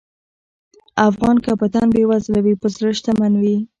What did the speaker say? افغان که په تن بېوزله وي، په زړه شتمن وي.